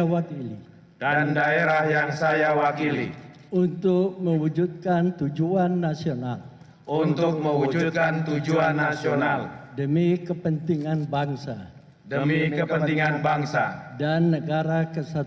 akan memperjuangkan aspirasi rakyat